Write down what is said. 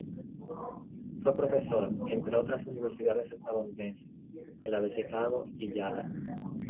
Fue profesor, entre otras universidades estadounidenses, en las de Chicago y Yale.